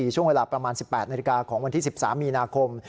ช่วงเวลาประมาณ๑๘นาฬิกาของวันที่๑๓มีนาคม